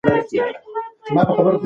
هر څوک د ځان په اړه جلا ادراک لري.